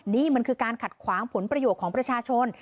นี่มันคือการขัดขวางผลประโยชน์ของประชาชน